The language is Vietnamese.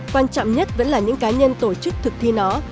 quan trọng nhất vẫn là những cá nhân tổ chức thực thi nó